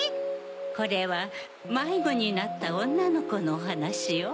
これはまいごになったおんなのコのおはなしよ。